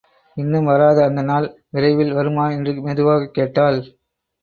இன்னும் வராத அந்த நாள் விரைவில் வருமா? என்று மெதுவாகக் கேட்டாள்.